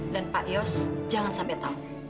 dan pak yos jangan sampai tahu